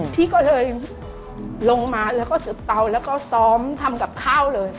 พี่ก็เลยลงมาแล้วก็สืบเตาแล้วก็ซ้อมทำกับข้าวเลย